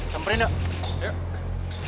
sampai nanti dong